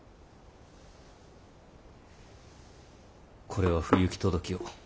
これは不行き届きを。